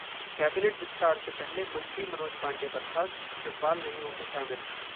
cabinet विस्तार से पहले मंत्री मनोज पांडे बर्खास्त, शिवपाल नहीं होंगे शामिल